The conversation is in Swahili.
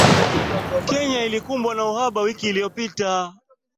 Kenya ilikumbwa na uhaba wiki iliyopita